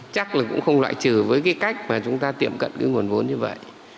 chắc là cũng không loại trừ với cái cách mà chúng ta tiệm cận cái nguồn vốn như vậy